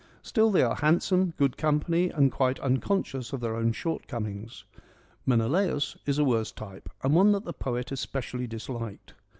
StiD they are handsome, good company, and quite un conscious of their own shortcomings. Menelaus is a worse type and one that the poet especially disliked.